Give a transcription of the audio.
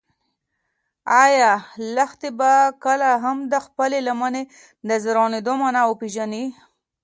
ایا لښتې به کله هم د خپلې لمنې د زرغونېدو مانا وپېژني؟